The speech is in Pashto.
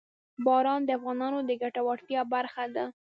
باران د افغانانو د ګټورتیا برخه ده.